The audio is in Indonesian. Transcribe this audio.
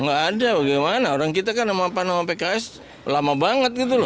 gak ada bagaimana orang kita kan sama pan sama pks lama banget gitu loh